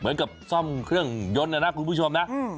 เหมือนกับซ่อมเครื่องยนต์นะนะคุณผู้ชมนะ